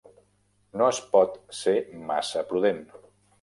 No es pot ser massa prudent.